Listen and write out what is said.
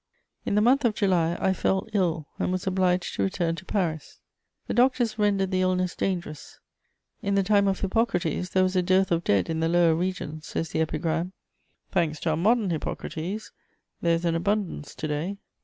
In the month of July, I fell ill and was obliged to return to Paris. The doctors rendered the illness dangerous. In the time of Hippocrates, there was a dearth of dead in the lower regions, says the epigram: thanks to our modern Hippocrates, there is an abundance to day.